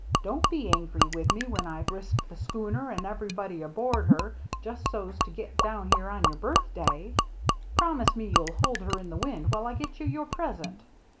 Don't be angry with me when I've risked the schooner and everybody aboard her just so's to get down here on your birthday. Promise me you'll hold her in the wind while I get you your present."